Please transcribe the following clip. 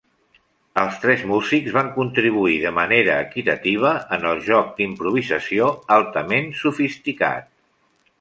Els tres músics van contribuir de manera equitativa en el joc d'improvisació altament sofisticat.